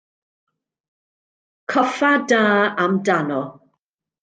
Coffa da amdano.